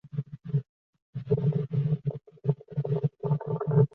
背鳍与臀鳍的最后一鳍条鳍膜与尾柄不相连。